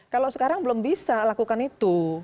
kalau sekarang belum bisa lakukan itu